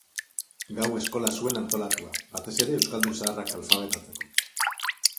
Gau eskola zuen antolatua, batez ere euskaldun zaharrak alfabetatzeko.